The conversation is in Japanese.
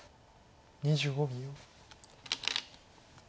２５秒。